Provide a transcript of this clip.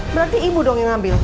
berarti ibu dong yang ngambil